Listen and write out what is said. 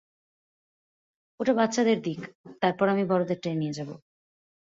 ওটা বাচ্চাদের দিক, তারপর আমি বড়োদেরটায় নিয়ে যাবো।